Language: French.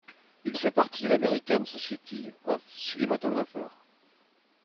Il fait partie de l'American Society of Cinematographers.